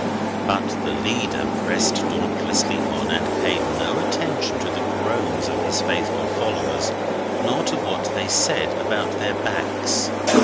But the leader pressed dauntlessly on, and paid no attention to the groans of his faithful followers, nor to what they said about their backs.